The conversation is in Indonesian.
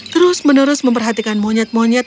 terus menerus memperhatikan monyet monyet